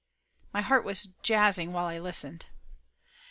My heart was jazzing while I listened.